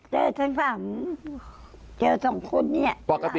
เจอทั้ง๓เจอ๒คุณเนี่ย